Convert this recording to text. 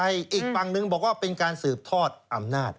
อีกฝั่งนึงบอกว่าเป็นการสืบทอดอำนาจ